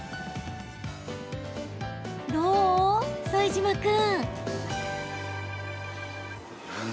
どう、副島君？